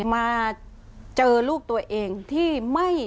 มาเจอลูกตัวเองที่ไม่